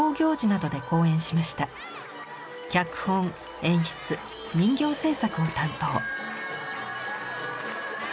脚本・演出・人形制作を担当。